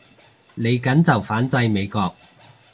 嚟緊就反制美國